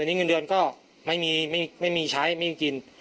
อันนี้เงินเดือนก็ไม่มีใช้ไม่มีกิน